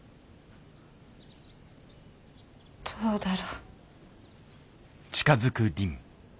どうだろ。